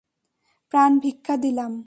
প্রাণ ভিক্ষা দিলাম।